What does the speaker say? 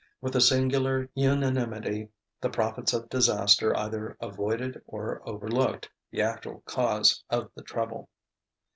With a singular unanimity the prophets of disaster either avoided or overlooked the actual cause of the trouble.